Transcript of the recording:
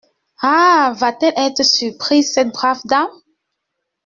Ah ! va-t-elle être surprise, cette brave dame !…